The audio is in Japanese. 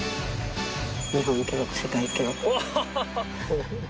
日本記録、世界記録。